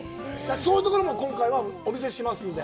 そういうところも今回はお見せしますんで。